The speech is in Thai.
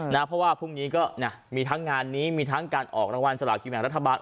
น่ะเพราะว่าพรุ่งนี้ก็เนี่ยมีทั้งงานนี้มีทั้งการออกรางวัลสละเกียรติแห่งรัฐบาล